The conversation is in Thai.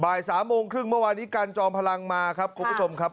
บ่ายสามโมงครึ่งเมื่อวานนี้กันจอมพลังมาครับครับครับ